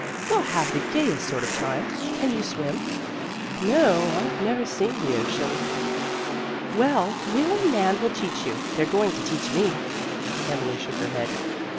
We'll have the gayest sort of a time. Can you swim?" "No, I've never seen the ocean." "Well, Will and Nan will teach you. They're going to teach me." Emily shook her head.